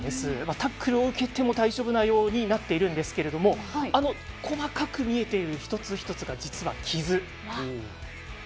タックルを受けても大丈夫なようになっているんですけどもあの、細かく見えている一つ一つが実は傷。